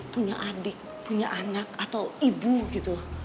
punya adik punya anak atau ibu gitu